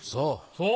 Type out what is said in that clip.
そう。